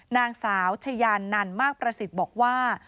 นางสาวชายานนันมากประสิทธิ์บอกว่า